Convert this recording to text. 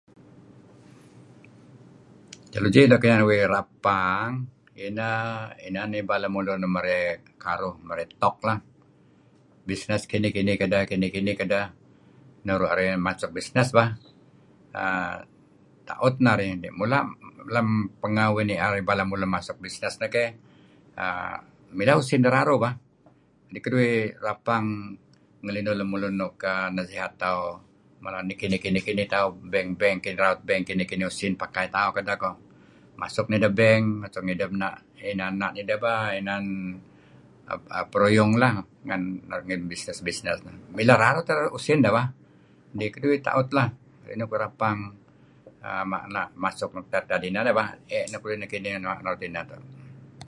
Teknologi nuk inan uih rapang i h ineh inan ibal lemulun ngidih nuk merey karuh, merey talk leh. Bisnes. Kinih-kinih kedeh , kinih-kinih kedeh nuru' arih masuk bisnes bah. Err... ta'ut narih . Mula' lem...lem pengeh uih ni'er ibal lemulun deh masuk bisnes neh keyh. Mileh' usin deh raruh bah. 'di keduih rapang ngelinuh lemulun nuk nasihat tauh mala kinih-kinih-kinih tauh. Beng, beng, raut beng kinih usin pakai tauh kedeh ko'. Masuk nideh beng, masuk nideh na'...inan na' nideh pa... inan peruyung lah gen bisnes-bisnes. Mileh raruh teh usin dedih bah. Kadi' keduih taut lah, kadi' keduih rapang masuk nuk tad-tad ineh neh bah. 'Ey' neto keduih nekinih masuk naru' sineh neto'.